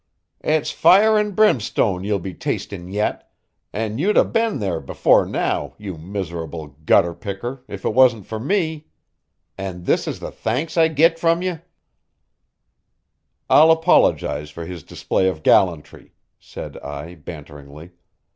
"It's fire and brimstone you'll be tasting yet, and you'd 'a' been there before now, you miserable gutter picker, if it wasn't for me. And this is the thanks I git from ye!" "I'll apologize for his display of gallantry," said I banteringly.